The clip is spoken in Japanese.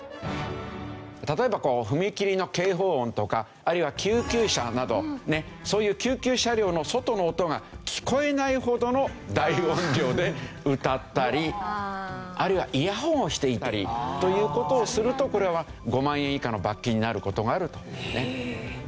例えば踏切の警報音とかあるいは救急車などそういう救急車両の外の音が聞こえないほどの大音量で歌ったりあるいはイヤホンをしていたりという事をするとこれは５万円以下の罰金になる事があると。